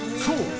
そう